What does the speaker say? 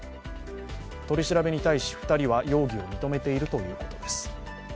取り調べに対し２人は容疑を認めているということです。